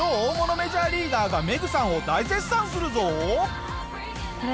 メジャーリーガーがメグさんを大絶賛するぞ！